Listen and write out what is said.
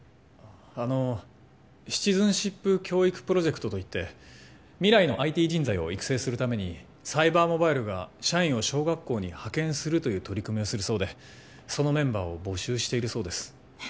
あのシチズンシップ教育プロジェクトといって未来のＩＴ人材を育成するためにサイバーモバイルが社員を小学校に派遣するという取り組みをするそうでそのメンバーを募集しているそうです